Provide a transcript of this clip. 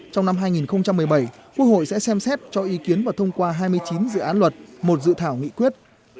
trong năm hai nghìn một mươi bảy quốc hội sẽ xem xét cho ý kiến và thông qua hai mươi chín dự án luật một dự thảo nghị quyết